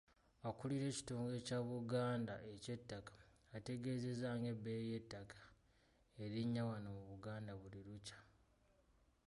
Akulira ekitongole Kya Buganda eky'ettakka, ategeezezza ng'ebbeeyi y'ettaka erinnya wano mu Buganda buli lukya